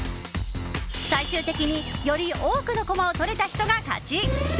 最終的により多くのコマをとれた人が勝ち。